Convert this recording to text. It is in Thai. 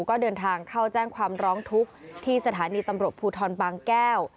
ก็เดินทางเข้าแจ้งความร้องทุกข์ที่สถานีตำรวจภูทรบางแก้ว